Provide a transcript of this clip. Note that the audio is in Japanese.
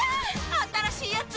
新しいやつ！